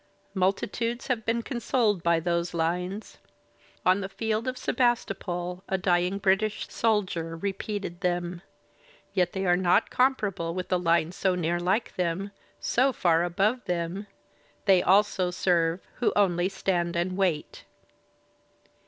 Multitudes have been consoled by those lines. On the field of Sebastopol a dying British soldier repeated them. Yet they are not comparable with the line so near Uke them, so far above them : They also serve who only stand and wait.